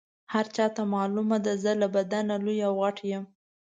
هر چاته معلومه ده زه له بدنه لوی او غټ یم.